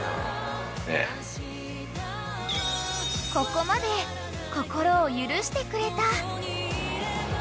［ここまで心を許してくれた］